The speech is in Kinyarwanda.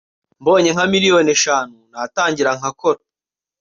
mbonye nka miliyoni eshanu natangira ngakora